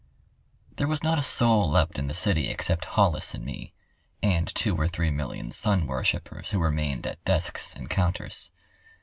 There was not a soul left in the city except Hollis and me—and two or three million sunworshippers who remained at desks and counters.